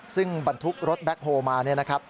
ซึ่งบรรทุกรถแบ็คโฮมา